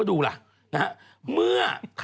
จากธนาคารกรุงเทพฯ